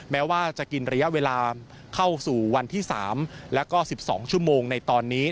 แม้ว่าจะกินระยะเวลาเข้าสู่วันที่๓แล้วก็๑๒ชั่วโมงในตอนนี้